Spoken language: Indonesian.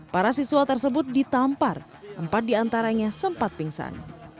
para siswa tersebut ditampar empat diantaranya sempat pingsan